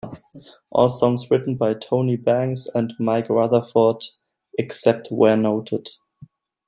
All songs written by Tony Banks and Mike Rutherford, except where noted.